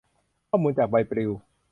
ข้อมูลจากใบปลิว